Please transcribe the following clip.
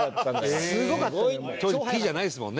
すごかったのよ